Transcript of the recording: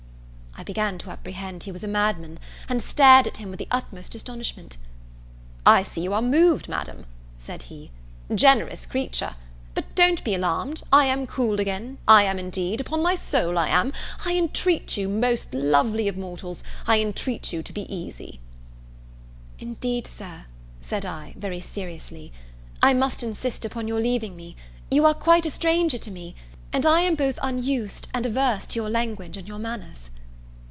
I began to apprehend he was a madman, and stared at him with the utmost astonishment. "I see you are moved, Madam," said he; "generous creature! but don't be alarmed, I am cool again, I am indeed, upon my soul I am; I entreat you, most lovely of mortals! I intreat you to be easy." "Indeed, Sir," said I very seriously, "I must insist upon your leaving me; you are quite a stranger to me, and I am both unused, and averse to your language and your manners."